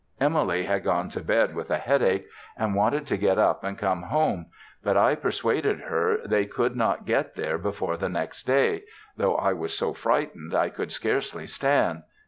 Emily had gone to bed with a headache, and wanted to get up and come home, but I persuaded her they could not get there before the next day, though I was so frightened I could scarcely stand.